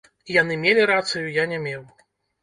Яны мелі рацыю, я не меў.